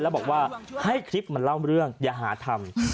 แล้วบอกว่าให้คลิปมันเล่าเรื่องอย่าหาทำ